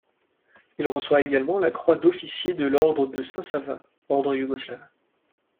Il reçoit également la croix d'Officier de l'Ordre de Saint-Sava, ordre yougoslave.